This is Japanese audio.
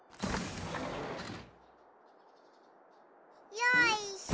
よいしょ！